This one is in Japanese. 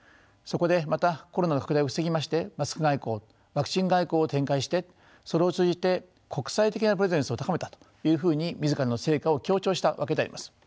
そこでまたコロナの拡大を防ぎましてマスク外交ワクチン外交を展開してそれを通じて国際的なプレゼンスを高めたというふうに自らの成果を強調したわけであります。